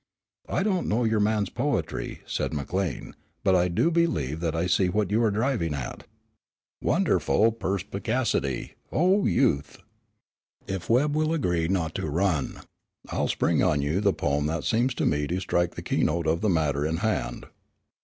"I don't know your man's poetry," said McLean, "but I do believe that I can see what you are driving at." "Wonderful perspicacity, oh, youth!" "If Webb will agree not to run, I'll spring on you the poem that seems to me to strike the keynote of the matter in hand."